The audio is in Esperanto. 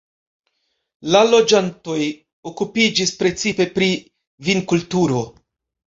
La loĝantoj okupiĝis precipe pri vinkulturo.